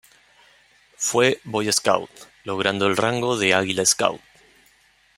Fue Boy Scout, logrando el rango de Águila Scout.